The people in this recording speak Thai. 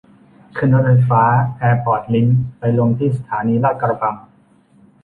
ขึ้นรถไฟฟ้าแอร์พอร์ตลิงก์ไปลงที่สถานีลาดกระบัง